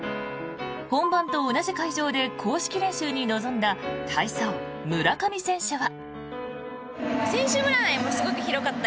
本番と同じ会場で公式練習に臨んだ体操、村上選手は。